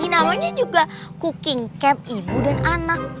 namanya juga cooking camp ibu dan anak